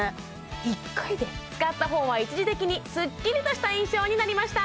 一回で使った方は一時的にすっきりとした印象になりました